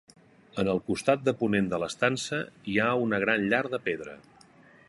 En el costat de ponent de l'estança hi ha una gran llar de pedra.